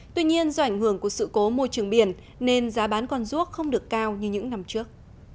tuy nhiên do ảnh hưởng của sự cố môi trường biển nên giá bán con ruốc không được cao như những năm trước